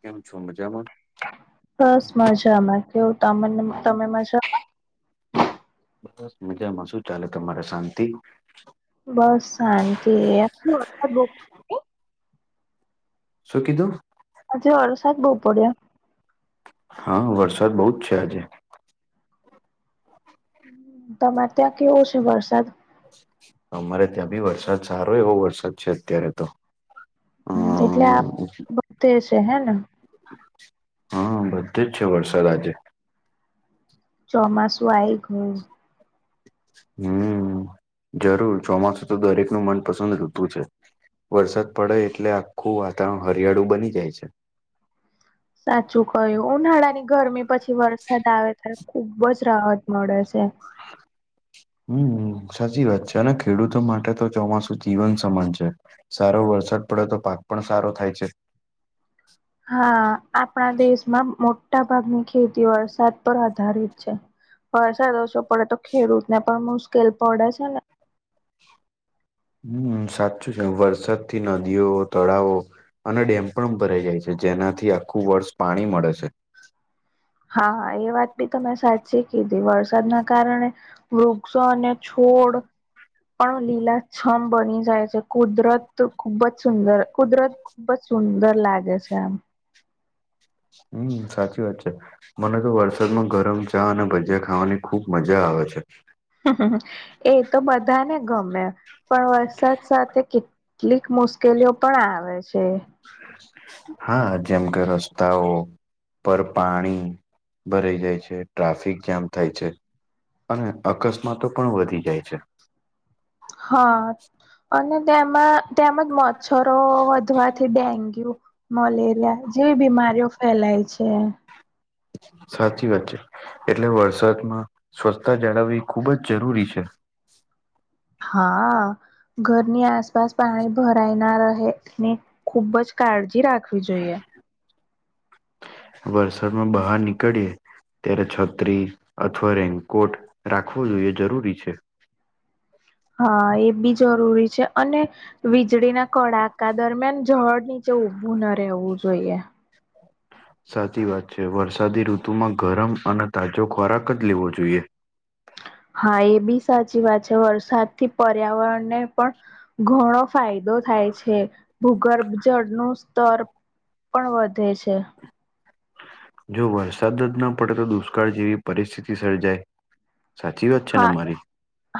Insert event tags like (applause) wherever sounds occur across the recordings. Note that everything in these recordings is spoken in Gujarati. કેમ છો મજા બસ મજામાં કેવું ત તમે મજા બસ મજામાં શું ચાલે તમારે શાંતિ બસ શાંતિ પડ્યો. શું કીધું આજે હરસાદ બહુ પડ્યા હા વરસાદ બહુ જ છે આજે તમારે ત્યાં કેવો છે વરસાદ અમારે ત્યાં ભી વરસાદ સારો એવો વરસાદ છે અત્યારે તો એટલે આ હમ બતે હ છે હે હા બધી જ છે વરસાદ આજે ચોમાસું એક ઘુંણ હમ જરૂર ચોમાસું તો દરેક ન મનપસંદ ઋતુ છે વરસાદ પડે એટલે આખું વાતાવરણ હરિયાળું બની જાય છે સાચું કયું ઉનાળા ની ગરમી પછી વરસાદ આવે ત્યારે ખુબ જ રાહત મળે છે હમ સાચી વાત છે અને ખેડૂતો માટે તો ચોમાસું જીવન સમાન છે સારો વરસાદ પડે તો પાક પણ સારો થાય છે હા આપણા દેશમાં મોટા ભાગની ખેતી વરસાદ પર આધારિત છે વરસા રોસો પડે તો ખેડૂત ને પણ મુશ્કેલ પડે છે ને હમ સાચું છે વરસાદથી નદીઓ તળાવો અને ડેમ પણ ભરાઈ જાય છે જેનાથી આખું વર્ષ પાણી મળે છે હા એ વાત બી તમે સાચી કીધી વરસાદના કારણે વૃક્ષો અને છોડ પણ લીલા છમ બની જાય છે કુદરત ખુબ જ સુંદર કુદરત ખુબ જ સુંદર લાગે છે એમ હમ સાચી વાત છે મને તો વરસાદમાં ગરમ ચા અને ભજીયા ખાવાની ખુબ મજા આવે છે. એ તો બધાને ગમે પણ વરસાદ સાથે કે. મુશ્કેલીઓ પણ આવે છે. હા જેમ કે રસ્તાઓ. પર પાણી ભરાઈ જાય છે ટ્રાફિક જામ થાય છે. અને અકસ્માતો પણ વધી જાય છે. હા અને તેમાં તેમ જ મોત. મચ્છરો વધવાથી ડેન્ગ્યુ. મલેરિયા જેવી બીમારીઓ ફેલાય છે. સાચી વાત છે એટલે વરસાદમાં સ્વચ્છતા જાળવવી ખુબ જ જરૂરી છે. હા ઘરની આસપાસ પાણી ભરાય ના રહે ને. ખુબ જ કાળજી રાખવી જોઈએ. વરસાદમાં બહાર નીકળીએ. ત્યારે છત્રી અથવા રેનકોટ રાખવો જોઈએ જરૂરી છે. હા એ બી જરૂરી છે અને. વીજળીના કડાકા દરમિયાન ઝડ નીચે ઉભું ના રહેવું જોઈએ. (unintelligible) (inaudible) સાચી વાત છે વરસાદી ઋતુમાં ગરમ અને તાજો ખોરાક જ લેવો જોઈએ. હા એ બી સાચી વાત છે વરસાદ થી પર્યાવરણને પણ. ઘણો ફાયદો થાય છે ભૂગર્ભ જળનું સ્તર. પણ વધે છે. જો વરસાદ જ ન પડે તો દુષ્કાળ જેવી પરિસ્થિતિ સર્જાય. સાચી વાત છે ને હા મારી.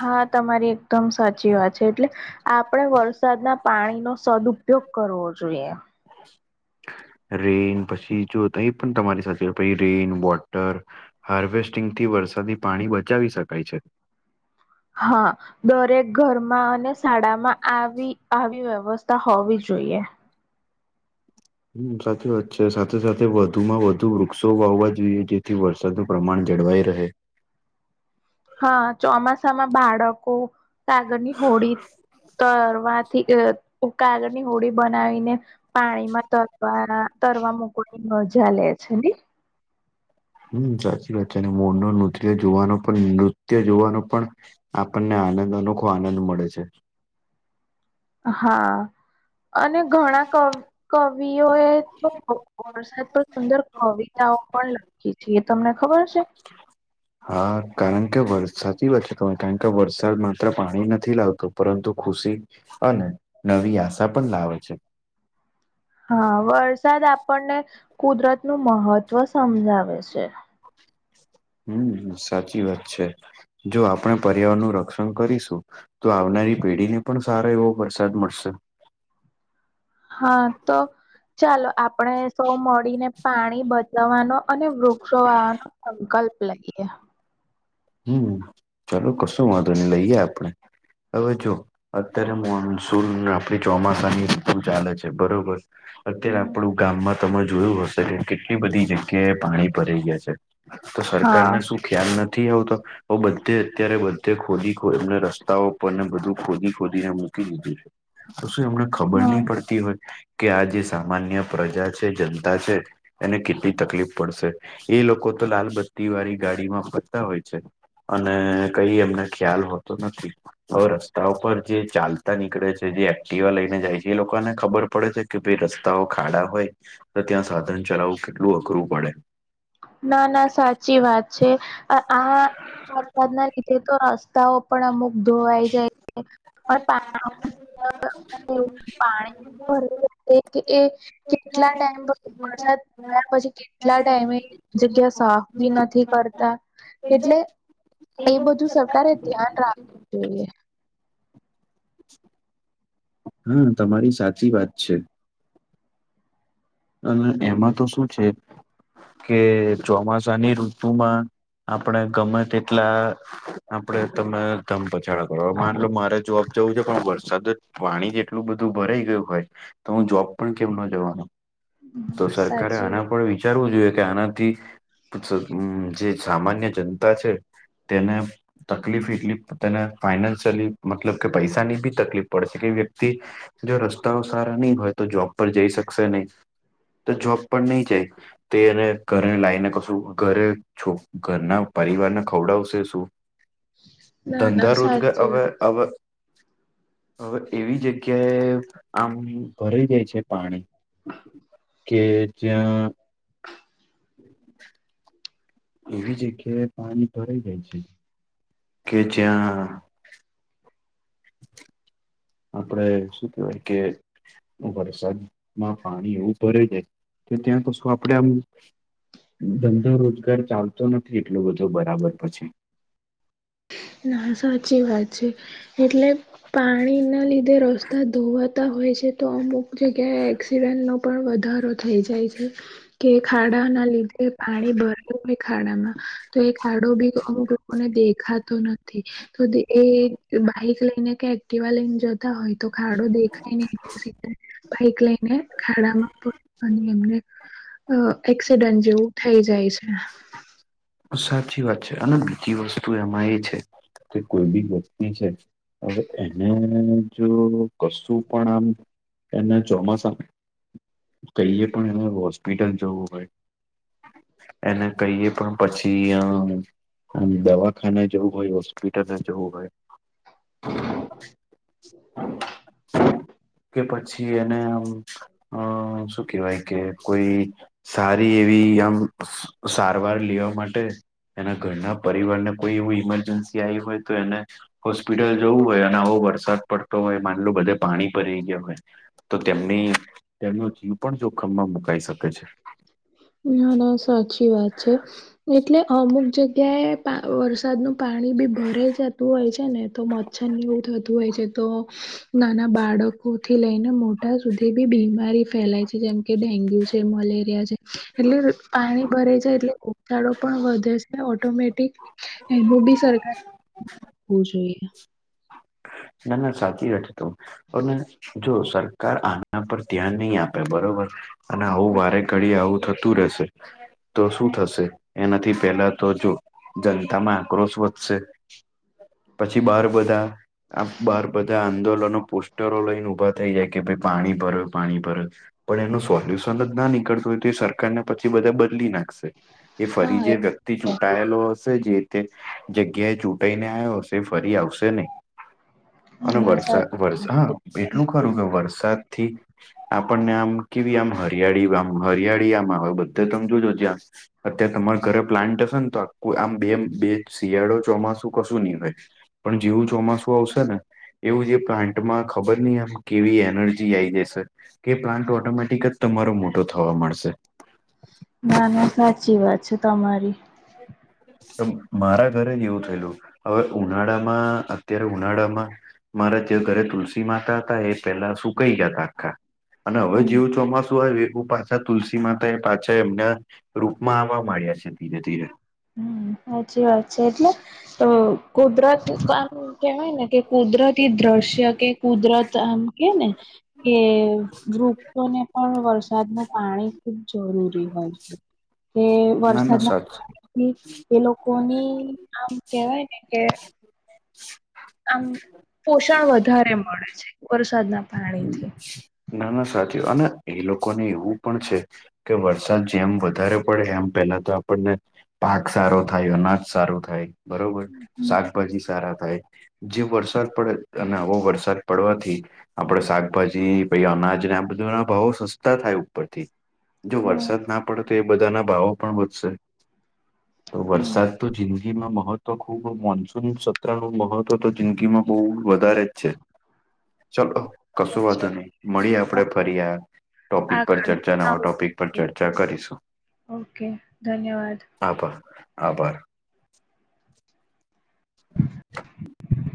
હા તમારી એકદમ સાચી વાત છે એટલે. આપણે વરસાદના પાણીનો સદઉપયોગ કરવો જોઈએ. રેન પછી જો તઈ પણ તમારી સાથે પછ રેન વોટર. હાર્વેસ્ટિંગથી વરસાદી પાણી બચાવી શકાય છે. હા. દરેક ઘરમાં અને શાળામાં આવી આવી વ્યવસ્થા હોવી જોઈએ. હમ સાચી વાત છે સાથે સાથે વધુમાં વધુ વૃક્ષો વાવવા જોઈએ જેથી વર. છતું પ્રમાણ જળવાઈ રહે. હા ચોમાસામાં બાળકો કાગળની હોડી. તરવાથી કાગળની હોડી બનાવીને. પાણીમાં તરવાના તરવા મૂકવાની મજા લે છે ને. હમ સાચી વાત છે અને મોરનો નૃત્ય જોવાનો પણ નૃત્ય જોવાનું પણ. આપણને આનંદ અનોખો આનંદ મળે છે. હા અને ઘણા કવ. કવિઓ એ તો વરસાદ પણ સુંદર કવિતાઓ પણ લખી. એથી એ તમને ખબર હશે. હા કારણ કે વરસાદની કારણ કે વરસાદ માત્ર પાણી નથી લાવતું પરંતુ ખુશી. અને નવી આશા પણ લાવે છે. હા વરસાદ આપણને કુદરતનું મહત્વ સમજાવે છે. હમ સાચી વાત છે જો આપણે પર્યાવરણનું રક્ષણ કરીશું. તો આવનારી પેઢીને પણ સારો એવો વરસાદ મળશે. હા તો. ચાલો આપણે સૌ મળીને પાણી બચવાનું અને વૃક્ષો વાવાનો. સંકલ્પ લઈએ. હમ ચાલો કશો વાંધો નહીં લઈએ આપણે. હવે જો અત્યારે મોન્સુન આપણી ચોમાસાની સિઝન ચાલે છે બરોબર. અત્યારે હમ આપણું ગામમાં તમે જોયું હશે કે કેટલી બધી જગ્યાએ પાણી ભરાય ગયા છે. તો હા સરકારને શું ખ્યાલ નથી આવતો હ બધે અત્યારે બધે ખોદી એને રસ્તાઓ પરને બધું ખોદી ખોદીને મૂકી દીધું છે. તો શું એમને ખબર હમ નહી પડતી હોય કે આ જે સામાન્ય પ્રજા છે જનતા છે. એને કેટલી તકલીફ પડશે એ લોકો તો લાલબત્તી વાળી ગાડીમાં ફરતા હોય છે. અને કઈ એમને ખ્યાલ હોતો નથી હવે રસ્તા ઉપર જે ચાલતા નીકળે છે જે એક્ટિવા લઈને જાય છે એ લોકોને ખબર પડે છે. કે ભાઈ રસ્તાઓ ખાડા હોય તો ત્યાં સાધન ચલાવવું કેટલું અઘરું પડે ના ના સાચી વાત છે આ ના લીધે તો રસ્તાઓ પણ અમુક ધોવાઈ જાય છે પણ પાણી ભ એ કેટલા ટાઈમ પર વરસાદ પડ્યા પછી કેટલા ટાઈમે જગ્યા સાફ બી નથી કરતા એટલે એ બધું સરકારે ધ્યાન રાખ જે (inaudible) હા તમારી સાચી વાત છે. અને એમાં તો શું છે. કે ચોમાસાની ઋતુમાં આપણે ગમે તેટલા આપડે તમે ધમપછાડા કરો માન મારે જોબ જવું છે પણ વર્ષ સતત પાણી જેટલું બધું ભરાઈ ગયું હોય તો હું જોબ પણ કેમ ન જવાનું તો સરકારે સાચી આના પર વિચારવું જોઈએ કે આનાથી જે સામાન્ય જનતા છે તેને તકલીફ એટલી તને ફાઈનાન્શિયલી મતલબ કે પૈસાની બી તકલીફ પડે છે કે વ્યક્તિ જો રસ્તાઓ સારા નહી હોય તો જોબ પર જઈ શકશે નહી તો જોબ પણ નહી જાય તેને ઘરે લાવને કશું ઘરે છો ઘરના પરિવારને ખવડાવશે શું વાત ના ના ધંધા રોજગાર સાચી વાત હવે હવે હવે એવી જગ્યાએ આમ ભરાઈ જાય છે પાણી કે જ્યાં એવી જગ્યાએ પાણી ભરાઈ જાય છે કે જ્યાં આપડે શું કેહેવાય કે વરસાદમાં પાણી એવું ભરે જાય કે ત્યાં કશું આપડે આમ ધંધો રોજગાર ચાલતો નથી એટલોું બધો બરાબર પછી ના સાચી વાત છે એટલે પાણીને ના લીધે રસ્તા ધોવાતા હોય છે તો અમુક જગ્યાએ એક્સિડેન્ટ નો પણ વધારો થઈ જાય છે (inaudible) કે ખાડા ના લીધે પાણી ભરલું હોય ખાડામાં તો એ ખાડો બી અુક લોકોને દેખા નથી તો એ બાઈક લઈને કે એક્ટિવા લઈને જતા હોય તો ખાડો દેખાય ને ભઇક લઈને ખાડામાં પ અને એમને એક્સિડન્ટ જેવું થઈ જાય છે સાચી વાત છે અને બીજી વસ્તુ એમાં એ છે કે કોઈ બી વ્યક્તિ છે હવે એને જો કશું પણ આમ એના ચોમાસા કહીએ પણ એના વસ્ હોસ્પિટલ જોવું હોય એને કહીએ પણ પછી અને દવાખાના જવું હોય હોસ્પિટલ ના જવું હોય કે પછી એને આમ અ શું કેહેવાય કે કોઈ સારી એવી આમ સારવાર લિઓ માટે એના ઘરના પરિવાર ને કોઈ એવું ઈમરજન્સી આવી હોય તો એને હોસ્પિટલ જવું હોય અને આવો વરસાદ પડતો હોય માનલો બધે પાણી ભરી ગયા હોય તો તેમની તેમનોનો જીવ પણ જોખમમાં મુકાઈ શકે છે ના ના સાચી વાત છે એટલે અમુક જગ્યાએ વરસાદનુંું પાણી બી ભરાય જતું હોય હો ને તો મચ્છર ને એવું થતું હોય છે તો નાના બાળક થી લઈને મોટા સુધી બી બીમારી ફેલાય છે જેમ કે ડેન્ગ્યુ છે મલેરિયા છે એટલે પાણી ભરા જાય એટલે રચાડો પણ વધે છે ઓટોમેટિક એનું બી સરકાર હોવું જોઈએ ના ના સાચી વખતો અને જો સરકાર આના પર ધ્યાન નહી આપે બરોબર અને આવું વારે ઘડી આવું થતું રહેશે તો શું થશે એનાથી પહેલા તો જો જનતામાં આક્રોશ વધશે પછી બહાર બધા આ બાર બધા આંદોલનો પોસ્ટરો લઈને ઉભા થઈ જાય કે ભાઈ પાણી પર પાણી પર પણ એનું સોલ્યુશન જ ના નીકળતું હોય તો એ સરકારને પછી બધા બદલી નાખશે એ ફરી જે વ્યતિ થી ચૂંટાયેલો હશે જે તે જગ્યાએ ચૂંટાઈને આવ્યો હશે ફરી આવશે નહીં અને વરસાદ વર હા એટલું ખરું કે વરસાદથી આપણને આમ કેવી આમ હરિયાળીમ હરિયાળી આમ આવે બધા તમે જોજો જે આમ અત્યારે તમારા ઘરે પ્લાન્ટ હશે ને તો આ આમ બે બે શિયાળો ચોમાસું કશું નહીિ હોય પણ જેીવું ચોમાસું આવશે ને એવું જે પ્લાન્ટમાં ખબર નહ આમ કેવી એનર્જી આ આવી જાયશે કે પ્લાન્ટ ઓટોમેટિક જ તમારો મોટો થવા મળશે ના ના સાચી વાત છે તમારી મારા ઘરે જ એવું થયેલું હવે ઉનાળામાં અત્યારે ઉનાળામાં મારા જે ઘરે તુલસી માતા હતા એ પેલા સુકાઈ ગતા આખા અને હવે હમ. જેવું ચોમાસું હોયવું પાછા તુલસી માતા એ પાછા એમને રૂપમાં આમાં મળ્યા છે ધીરે ધીરે હમ સાચી વાત છે એટલે તો કુદરત કામ કેવાય ને કે કુદરતી દ્રશ્ય કે કુદરત આમ કે ને કે વૃક્ષોને પણ વરસાદ ન પાણી ખુબ જરૂરી હોય કે ના ના સાચ વરસાદના (unintelligible) થી એ લોકોની આમ કેહેવાય ને કે આમ પોષણ વધારે મળે છે વરસાદના પાણીથી ના ના સાચ અને એ લોકો ને એવું પણ છે કે વરસાદ જેમ વધારે પડે એમ પહેલા તો આપણને પાક સારો થાય અનાજ સારો થાય બરોબર શાકભાજી સારા થાય જે વરસાદ પડે અને આવો વરસાદ પડવાથી આપણેે શાકભાજી ભાઈ અનાજને આ બધા ના ભાવો સસ્તા થાય ઉપરથી જો હા વરસાદ ના પડે તો બધાના ભાવો પણ વધશે તો હમ. વરસાદ તો જિંદીમાં મહત્વ ખૂબ મોનસૂન સત્ર ન મહત્વ તો જિંદગીમાં બહુ વધારે જ છે (inaudible) ચાલો કસો વાંધ સાચી નહી મળીએ આપણે વાત. ફરી આ ટોપિક પર આગળ ચર્ચા નવા ટોપિક પર ચર્ચા કરીશું. ઓકે ધન્યવાદ. હા બહ આભાર. (inaudible)